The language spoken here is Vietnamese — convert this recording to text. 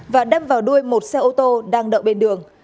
và đâm vào đuôi một xe ô tô đang đậu bên đường